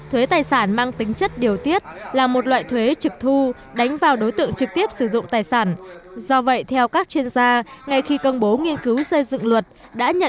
hiện luật đang tạo ra một loại thuế trực thu đánh vào đối tượng trực tiếp sử dụng tài sản